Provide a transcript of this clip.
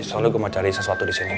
selalu gue mau cari sesuatu di sini